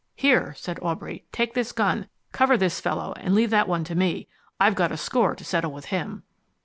"Here," said Aubrey, "take this gun. Cover this fellow and leave that one to me. I've got a score to settle with him."